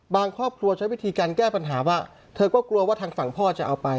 ครอบครัวใช้วิธีการแก้ปัญหาว่าเธอก็กลัวว่าทางฝั่งพ่อจะเอาไป